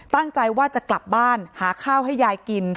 ตั้งใจว่าจะกลับบ้านหาข้าวให้ยายกิน